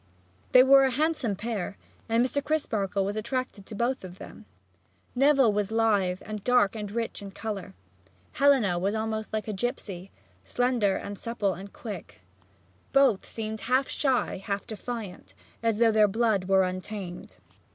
They were a handsome pair, and Mr. Crisparkle was attracted to them both. Neville was lithe, and dark and rich in color; Helena was almost like a gypsy, slender, supple and quick. Both seemed half shy, half defiant, as though their blood were untamed.